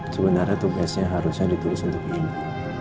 sebenarnya tugasnya harusnya ditulis untuk ini